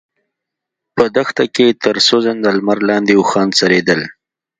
په دښته کې تر سوځنده لمر لاندې اوښان څرېدل.